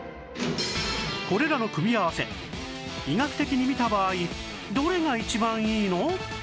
これらの組み合わせ医学的に見た場合どれが一番いいの？